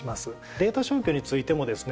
データ消去についてもですね